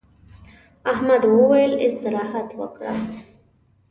احمد وويل: استراحت وکړه.